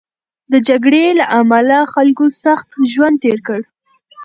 د جګړې له امله خلکو سخت ژوند تېر کړ.